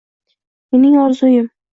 Mening orzuim -